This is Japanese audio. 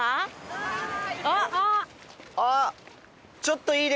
はい。